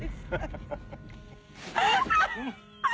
アハハハ。